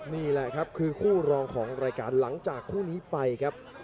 นี่แหละครับคือคู่รองของรายการหลังจากคู่นี้ไปครับ